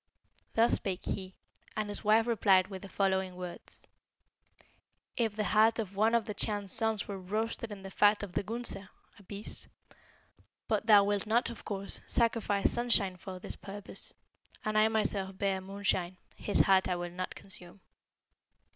Thus spake he, and his wife replied with the following words, 'If the heart of one of the Chan's sons were roasted in the fat of the Gunsa (a beast); but thou wilt not, of course, sacrifice Sunshine for this purpose; and I myself bare Moonshine, his heart I will not consume.